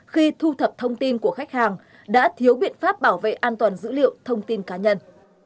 khi thu thập thông tin của khách hàng đã thiếu biện pháp bảo vệ an toàn dữ liệu thông tin cá nhân